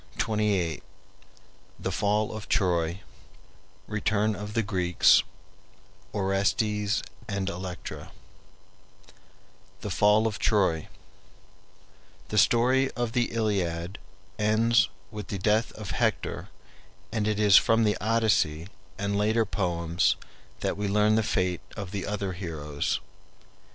CHAPTER XXVIII THE FALL OF TROY RETURN OF THE GREEKS ORESTES AND ELECTRA THE FALL OF TROY The story of the Iliad ends with the death of Hector, and it is from the Odyssey and later poems that we learn the fate of the other heroes.